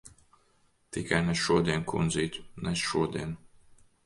Tikai ne šodien, kundzīt. Ne šodien!